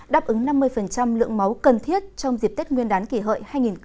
đáp ứng năm mươi lượng máu cần thiết trong dịp tết nguyên đán kỷ hợi hai nghìn một mươi chín